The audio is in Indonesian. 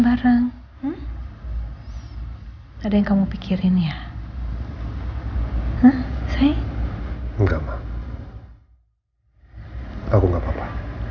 bareng bareng ada yang kamu pikirin ya hai nah saya enggak mau aku nggak papa